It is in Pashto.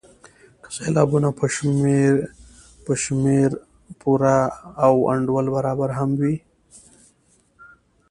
که سېلابونه په شمېر پوره او انډول برابر هم وي.